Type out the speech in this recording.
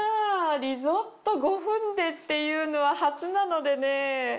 リゾット５分でっていうのは初なのでね。